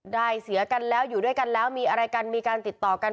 เสียกันแล้วอยู่ด้วยกันแล้วมีอะไรกันมีการติดต่อกัน